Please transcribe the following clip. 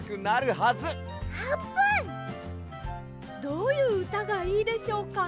どういううたがいいでしょうか？